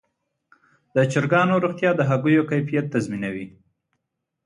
د چرګانو روغتیا د هګیو کیفیت تضمینوي.